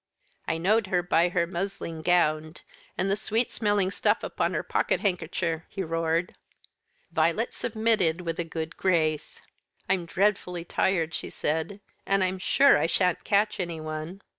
"I know'd her by her musling gownd, and the sweet smelling stuff upon her pocket handkercher," he roared. Violet submitted with a good grace. "I'm dreadfully tired," she said, "and I'm sure I shan't catch anyone."